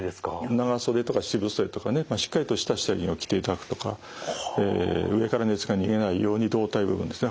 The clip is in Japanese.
長袖とか七分袖とかねしっかりとした下着を着ていただくとか上から熱が逃げないように胴体部分ですね